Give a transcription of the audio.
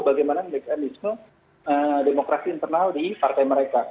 bagaimana mekanisme demokrasi internal di partai mereka